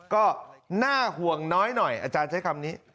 ก็น่าห่วงน้อยหน่อยอาจารย์ใช้คำนี้